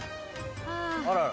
あら。